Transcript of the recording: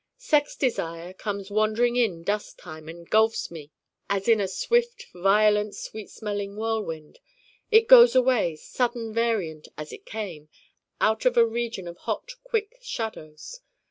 Sex desire comes wandering in dusk time and gulfs me as in a swift violent sweet smelling whirlwind. It goes away sudden variant as it came, out of a region of hot quick shadows.